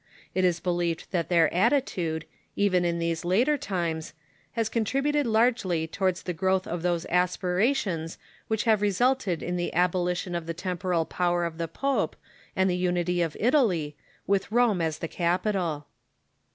It is believed that their attitude, even in these later times, has contributed largely towards the growth of those aspirations which have resulted in the abolition of the temporal power of the pope and the unity of Italy, with Rome as the capital.